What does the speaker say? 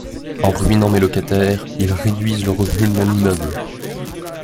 En ruinant mes locataires, ils réduisent le revenu de mon immeuble.